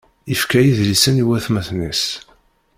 Yefka idlisen i watmaten-is.